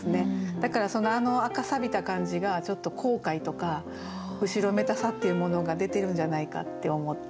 だからあの赤びた感じがちょっと後悔とか後ろめたさっていうものが出てるんじゃないかって思って。